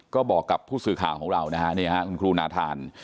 ก็บอกกับผู้สื่อข่าวของเรานะฮะนี่ฮะคุณครูนาธาน